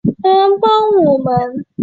帮帮我们